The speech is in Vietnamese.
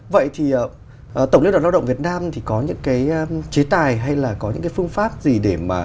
vậy thì tổng liên đoàn lao động việt nam thì có những cái chế tài hay là có những cái phương pháp gì để mà